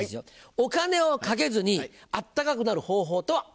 「お金をかけずに温かくなる方法とは？」。